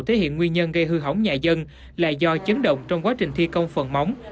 thể hiện nguyên nhân gây hư hỏng nhà dân là do chấn động trong quá trình thi công phần móng